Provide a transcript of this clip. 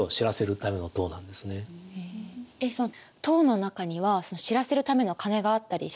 えっその塔の中には知らせるための鐘があったりしたんですか？